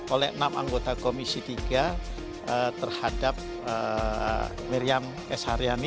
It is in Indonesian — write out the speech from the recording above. oleh enam anggota komisi tiga terhadap miriam s haryani